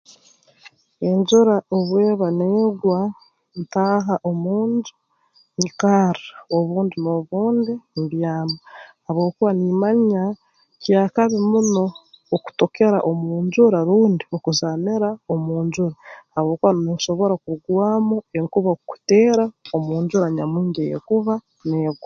Enjura obu eba neegwa ntaaha omu nju nyikarra obundi n'obundi mbyama habwokuba nimmanya ky'akabi muno okutokera omu njura rundi okuzaanira omu njura omu njura habwokuba noosobora kurugwamu enkuba kukuteera omu njura nyamwingi eyeekuba neegwa